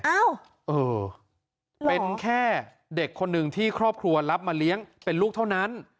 เออเป็นแค่เด็กคนหนึ่งที่ครอบครัวรับมาเลี้ยงเป็นลูกเท่านั้น